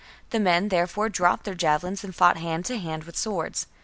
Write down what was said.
The men therefore dropped their javelins and fought hand to hand with swords.